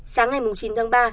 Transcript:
sáng ngày chín tháng ba